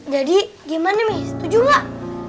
jadi gimana mie setuju gak